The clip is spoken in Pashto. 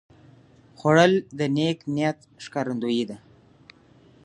خوړل د نیک نیت ښکارندویي ده